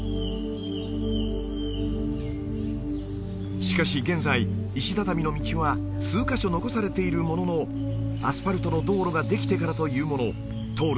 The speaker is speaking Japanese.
しかし現在石畳の道は数カ所残されているもののアスファルトの道路ができてからというもの通る